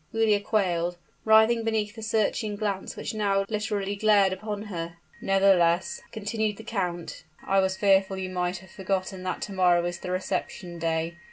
Giulia quailed writhed beneath the searching glance which now literally glared upon her. "Nevertheless," continued the count, "I was fearful you might have forgotten that to morrow is the reception day.